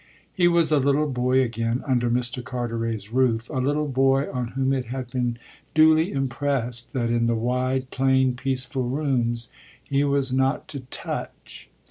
He was a little boy again, under Mr. Carteret's roof a little boy on whom it had been duly impressed that in the wide, plain, peaceful rooms he was not to "touch."